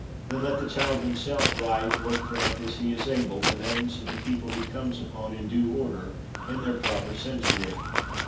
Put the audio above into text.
Then let the child himself write, or print, as he is able, the names of the people he comes upon in due order, in their proper century.